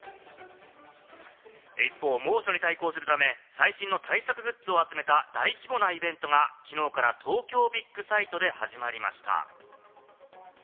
一方、猛暑に対抗するため、最新の対策グッズを集めた大規模なイベントがきのうから東京ビッグサイトで始まりました。